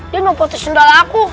dia mau potong sendal aku